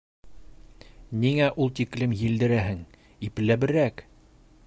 — Ниңә ул тиклем елдерәһең, ипләберәк!